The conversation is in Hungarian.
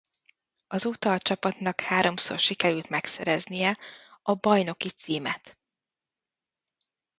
Azóta a csapatnak háromszor sikerült megszereznie a bajnoki címet.